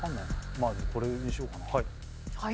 まあこれにしようかなはい。